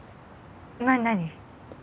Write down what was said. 何何？